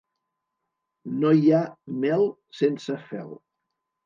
No hi ha mel sense fel.